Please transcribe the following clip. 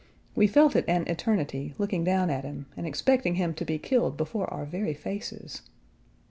We felt it an eternity, looking down at him, and expecting him to be killed before our very faces.